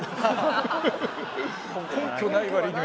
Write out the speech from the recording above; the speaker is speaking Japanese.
根拠ない割には。